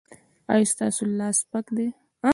ایا ستاسو لاس سپک دی؟